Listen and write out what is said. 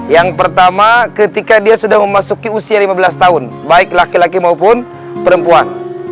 yang pertama ketika dia sudah memasuki usia lima belas tahun baik laki laki maupun perempuan